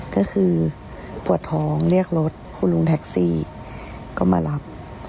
ก็คือปวดท้องเรียกรถคุณลุงแท็กซี่ก็มารับ